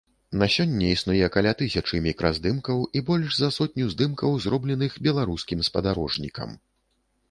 На сёння існуе каля тысячы мікраздымкаў і больш за сотню здымкаў, зробленых беларускім спадарожнікам.